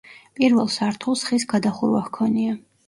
პირველ სართულს ხის გადახურვა ჰქონია.